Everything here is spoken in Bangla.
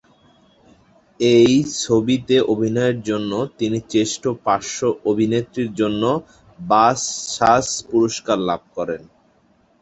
এই ছবিতে অভিনয়ের জন্য তিনি শ্রেষ্ঠ পার্শ্ব অভিনেত্রীর জন্য বাচসাস পুরস্কার লাভ করেন।